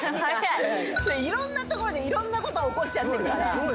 いろんな所でいろんなこと起こっちゃってるから。